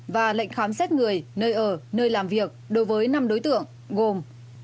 và lệnh khám xét người nơi ở nơi làm việc đối với năm đối tượng gồm